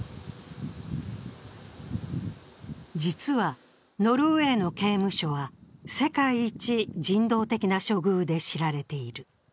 実は、ノルウェーの刑務所は世界一人道的な処遇で知られている。